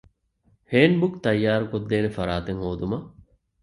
ހޭންޑްބުކް ތައްޔާރުކޮށްދޭނެ ފަރާތެއް ހޯދުމަށް